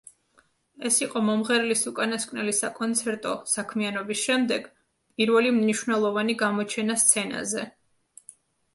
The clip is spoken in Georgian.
ეს იყო მომღერლის უკანასკნელი საკონცერტო საქმიანობის შემდეგ პირველი მნიშვნელოვანი გამოჩენა სცენაზე.